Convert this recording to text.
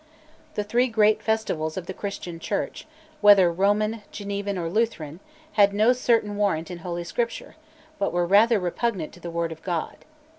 The three great festivals of the Christian Church, whether Roman, Genevan, or Lutheran, had no certain warrant in Holy Scripture, but were rather repugnant to the Word of God.